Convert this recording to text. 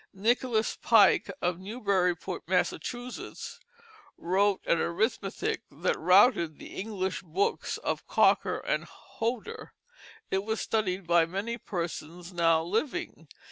Nicholas Pike of Newburyport, Massachusetts, wrote an arithmetic that routed the English books of Cocker and Hodder. It was studied by many persons now living.